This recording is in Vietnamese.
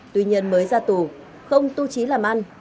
tuy nhiên mới ra tù không tu trí làm ăn